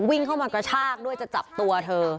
วิ่งเข้ามากระชากด้วยจะจับตัวเธอ